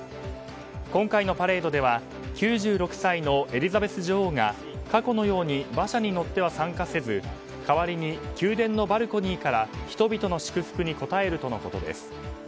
今回のパレードでは９６歳のエリザベス女王が過去のように馬車に乗っては参加せず代わりに宮殿のバルコニーから人々の祝福に応えるとのことです。